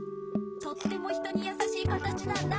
とっても人にやさしい形なんだ。